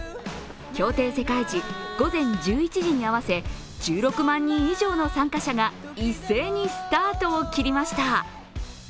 協定世界時午前１１時に合わせ１６万人以上の参加者が一斉にスタートを切りました。